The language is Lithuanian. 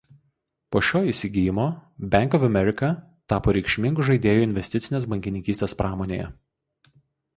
Po šio įsigijimo Bank of America tapo reikšmingu žaidėju investicinės bankininkystės pramonėje.